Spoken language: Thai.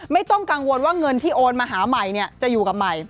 ไม่ต้องกังวลว่าเงินที่โอนมาหาใหม่จะอยู่กับใหม่